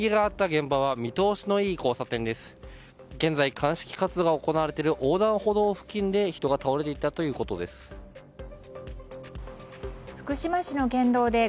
現在、鑑識活動が行われている横断歩道付近で人が倒れていたということです。